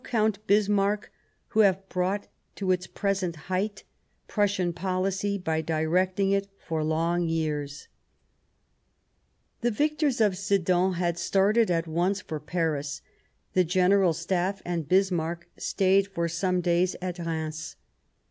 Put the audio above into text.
Count Bismarck, who have brought to its present height Prussian policy by directing it for long years." 138 L The War of 1870 The victors of Sedan had started at once for Paris ; the General Staff and Bismarck stayed for ^ some days at Reims.